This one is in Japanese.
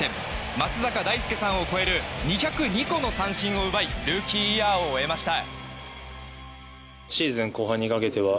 松坂大輔さんを超える２０２個の三振を奪いルーキーイヤーを終えました。